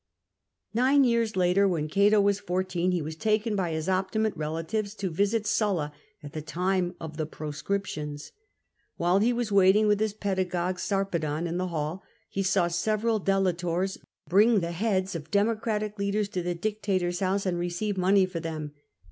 Nine years later, when Cato was fourteen, he was taken by his Optimate relatives to visit Sulla at the time of the proscriptions. While he was waiting with his pedagogue, Sarpedon, in the hall, he saw several delators bring the heads of democratic leaders to the dictator s house, and receive money for them.